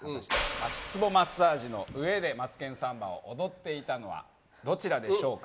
足ツボマットの上で「マツケンサンバ２」を踊っているのはどちらでしょうか。